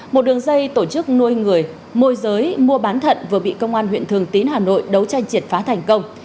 một đường dây tổ chức nuôi người môi giới mua bán thận vừa bị công an huyện thường tín hà nội đấu tranh triệt phá thành công